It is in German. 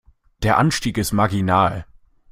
Der Anstieg ist marginal.